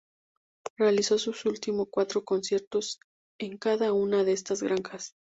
Realizó sus últimos cuatro conciertos en cada una de estas granjas.